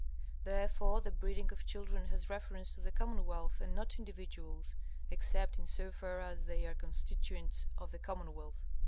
Therefore the breeding of children has reference to the commonwealth, and not to individuals, except in so far as they are constituents of the commonwealth.